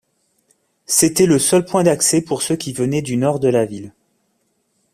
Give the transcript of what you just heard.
C'était le seul point d'accès pour ceux qui venaient du nord de la ville.